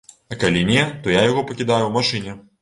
А калі не, то я яго пакідаю ў машыне.